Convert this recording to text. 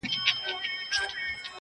نوټ: عکس د توجه د پاره دی